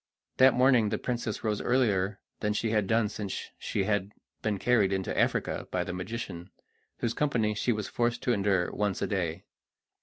That morning the princess rose earlier than she had done since she had been carried into Africa by the magician, whose company she was forced to endure once a day.